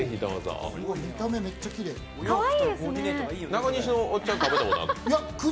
中西のおっちゃん、食べたことある？